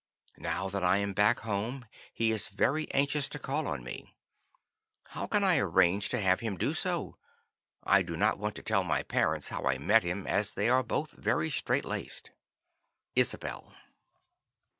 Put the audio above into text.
Now that I am back home he is very anxious to call on me. How can I arrange to have him do so? I do not want to tell my parents how I met him, as they are both very 'straitlaced.' "Isabel."